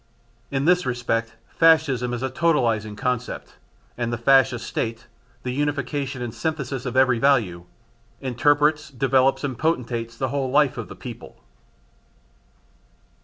In this respect Fascism is a totalising concept, and the Fascist State the unification and synthesis of every value interprets, develops and potentiates the whole life of the people.